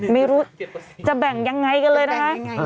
ไม่รู้จะแบ่งยังไงกันเลยนะคะ